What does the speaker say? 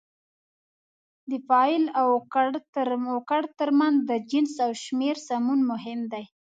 د فاعل او کړ ترمنځ د جنس او شمېر سمون مهم دی.